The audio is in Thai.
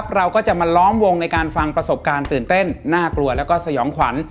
เราก็จะมาล้อมวงในการฟังประสบการณ์ตื่นเต้นน่ากลัวแล้วก็สยองขวัญ